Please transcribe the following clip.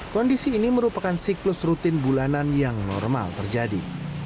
kondisi ini merupakan siklus rutin bulanan yang normal terjadi